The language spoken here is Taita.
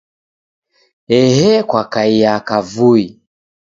Ehe kwakaiya kavui